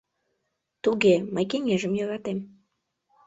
— Туге, мый кеҥежым йӧратем.